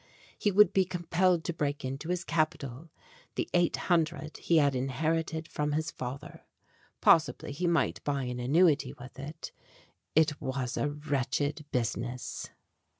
He would be compelled to break into his capital the eight hundred he had inherited from his father. Possibly, GREAT POSSESSIONS 7 he might buy an annuity with it. It was a wretched business.